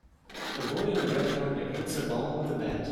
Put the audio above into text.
A boy in a red helmet hits a ball with a bat